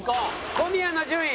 小宮の順位